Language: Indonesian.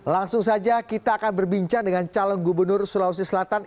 langsung saja kita akan berbincang dengan calon gubernur sulawesi selatan